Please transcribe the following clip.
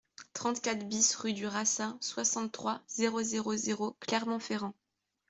trente-quatre BIS rue du Rassat, soixante-trois, zéro zéro zéro, Clermont-Ferrand